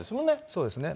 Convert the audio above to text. そうですね。